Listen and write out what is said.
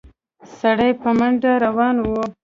سړی په منډه روان و.